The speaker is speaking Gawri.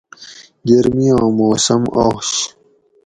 گرمیاں موسم آش